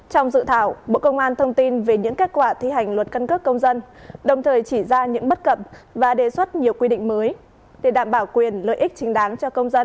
trong dự thảo bộ công an thông tin về những kết quả thi hành luật căn cước công dân đồng thời chỉ ra những bất cập và đề xuất nhiều quy định mới để đảm bảo quyền lợi ích chính đáng cho công dân